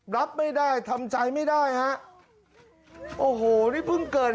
รับไม่ได้ทำใจไม่ได้ฮะโอ้โหนี่เพิ่งเกิด